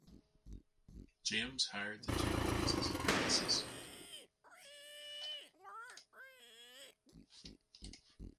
James hired the two boys as apprentices.